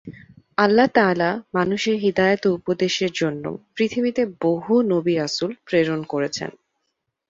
আল্লাহ্-তা‘আলা মানুষের হিদায়াত ও উপদেশের জন্য পৃথিবীতে বহু নবী-রাসুল প্রেরণ করেছেন।